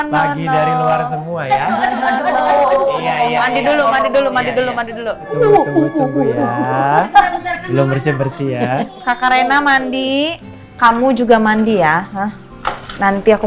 lagi dari luar semua ya dulu dulu bersih bersih ya kakarena mandi kamu juga mandi ya nanti aku